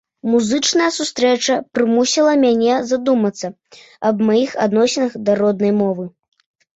Музычная сустрэча прымусіла мяне задумацца аб маіх адносінах да роднай мовы.